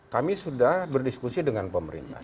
kami sudah berdiskusi dengan pemerintah